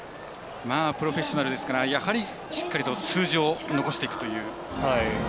プロフェッショナルですからやはりしっかりと数字を残していくという。